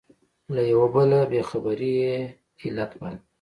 له یوه بله بې خبري یې علت باله.